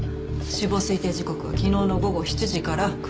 死亡推定時刻は昨日の午後７時から９時の間。